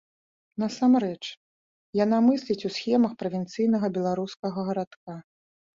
Насамрэч, яна мысліць у схемах правінцыйнага беларускага гарадка.